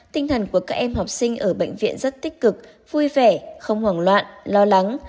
tinh thần của các em học sinh ở bệnh viện rất tích cực vui vẻ không hoảng loạn lo lắng